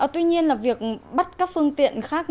tuy nhiên là việc bắt các phương tiện khác